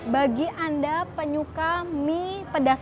bagi anda penyuka mie pedas